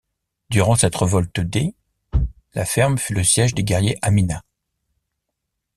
Durant cette révolte des, la ferme fut le siège des guerriers Amina.